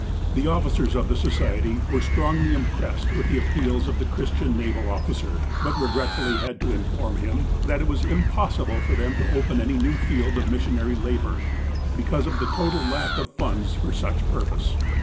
The officers of the Society were strongly impressed with the appeals of the Christian naval officer, but re gretfully had to inform him that it was impossible for them to open any new field of missionary labour, because of the total lack of funds for such purpose.